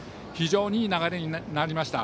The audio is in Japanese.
非常にいい流れになりました。